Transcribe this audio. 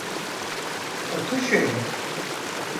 Otur şöyle.